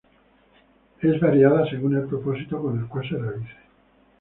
Es variada según el propósito con el cual se realice.